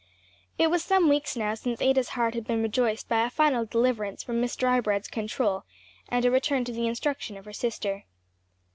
It was some weeks now since Ada's heart had been rejoiced by a final deliverance from Miss Drybread's control and a return to the instruction of her sister.